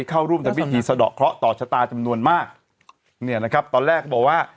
เข้าร่วมทำพิธีสะดอกเคราะห์ต่อชะตาจำนวนมากเนี่ยนะครับตอนแรกก็บอกว่า